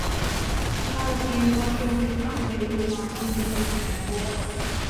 其他的避孕方式不一定可以预防性病传播。